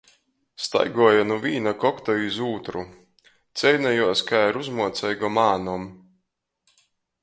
Staiguoja nu vīna kokta iz ūtru, ceinejuos kai ar uzmuoceigom ānom.